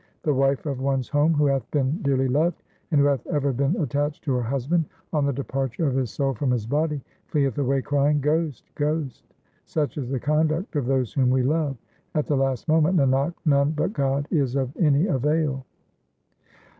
The wife of one's home who hath been dearly loved, and who hath ever been attached to her husband, On the departure of his soul from his body fleeth away crying, ' Ghost ! ghost !' Such is the conduct of those whom we love : At the last moment, Nanak, none but God is of any avail.